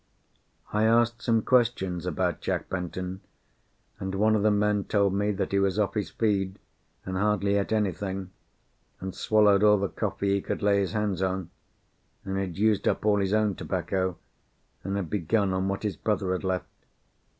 I asked some questions about Jack Benton, and one of the men told me that he was off his feed, and hardly ate anything, and swallowed all the coffee he could lay his hands on, and had used up all his own tobacco and had begun on what his brother had left.